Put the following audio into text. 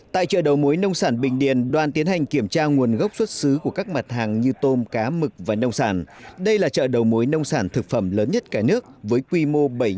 tại chợ đầu mối nông sản bình điền đoàn tiến hành kiểm tra nguồn gốc xuất xứ của các mặt hàng như tôm cá mực và nông sản đây là chợ đầu mối nông sản thực phẩm lớn nhất cả nước với quy mô bảy trăm linh